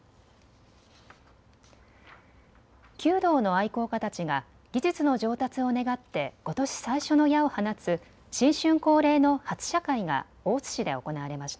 弓道の愛好家たちが技術の上達を願ってことし最初の矢を放つ新春恒例の初射会が大津市で行われました。